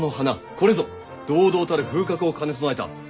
これぞ堂々たる風格を兼ね備えた王者であると。